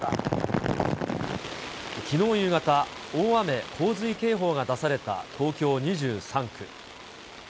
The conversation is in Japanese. きのう夕方、大雨洪水警報が出された東京２３区。